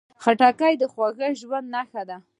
خټکی د خوږ ژوند نښه ده.